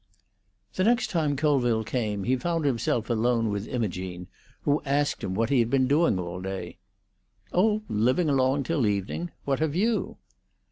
XIX The next time Colville came he found himself alone with Imogene, who asked him what he had been doing all day. "Oh, living along till evening. What have you?"